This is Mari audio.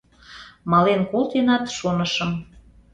— Мален колтенат, шонышым.